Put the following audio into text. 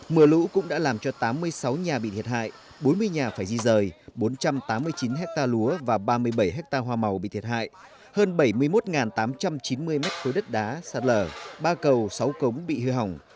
mưa lũ cũng đã làm cho tám mươi sáu nhà bị thiệt hại bốn mươi nhà phải di rời bốn trăm tám mươi chín hectare lúa và ba mươi bảy ha hoa màu bị thiệt hại hơn bảy mươi một tám trăm chín mươi m ba đất đá sạt lở ba cầu sáu cống bị hư hỏng